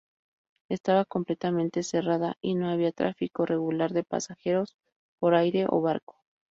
Estaba completamente cerrada y no había tráfico regular de pasajeros por aire o barco.